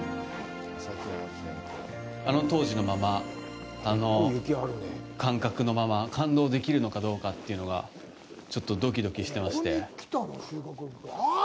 あの当時のまま、感覚のまま感動できるのかどうかというのがちょっとドキドキしてまして。